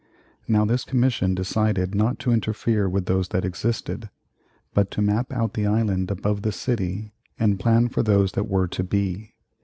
Now this commission decided not to interfere with those that existed, but to map out the island above the city and plan for those that were to be.